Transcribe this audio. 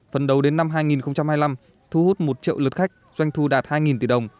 phần đầu đến năm hai nghìn hai mươi năm thu hút một triệu lượt khách doanh thu đạt hai tỷ đồng